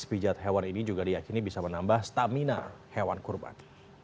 pijat hewan ini juga diakini bisa menambah stamina hewan kurban